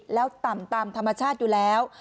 แล้วต่ำตามธรรมชาติอยู่แล้ว